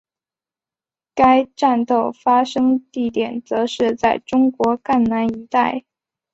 该战斗发生地点则是在中国赣南一带。